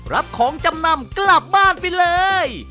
รับของจำนำกลับบ้านไปเลย